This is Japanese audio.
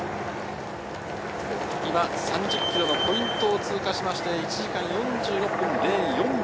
今、３０ｋｍのポイントを通過しまして１時間４６分０４秒。